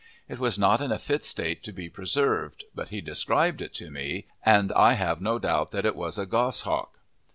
It was not in a fit state to be preserved, but he described it to me, and I have no doubt that it was a goshawk.